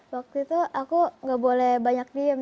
waktu itu aku gak boleh banyak diem